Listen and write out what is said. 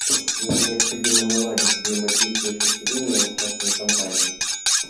Нам необходимо наладить взаимодействие с населением и частными компаниями.